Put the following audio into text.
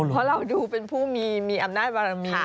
เพราะเราดูเป็นผู้มีอำนาจบารมี